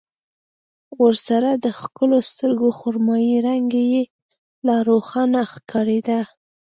ورسره د ښکلو سترګو خرمايي رنګ يې لا روښانه ښکارېده.